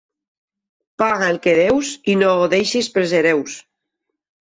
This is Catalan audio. Paga el que deus i no ho deixis pels hereus.